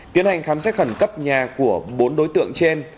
tiến hành khám xét khẩn cấp nhà của bốn đối tượng trên